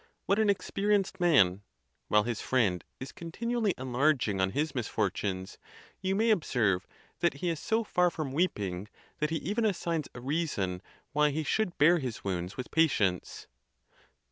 What an experienced man !—While his friend is continually enlarg ing on his misfortunes, you may observe that he is so far from weeping that he even assigns a reason why he should bear his wounds with patience.